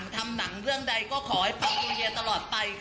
ทำหนังเรื่องใดก็ขอให้พระภูมิเดียตลอดไปค่ะ